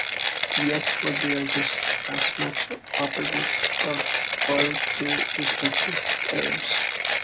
Yet what they are just as much opposites of are their respective eras.